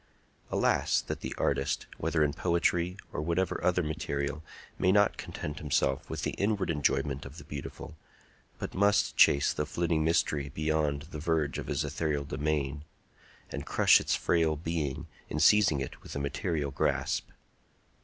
Alas that the artist, whether in poetry, or whatever other material, may not content himself with the inward enjoyment of the beautiful, but must chase the flitting mystery beyond the verge of his ethereal domain, and crush its frail being in seizing it with a material grasp.